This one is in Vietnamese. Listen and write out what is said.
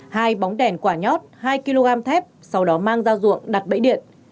hai bóng đèn quả nhót hai kg thép sau đó mang ra ruộng đặt bẫy điện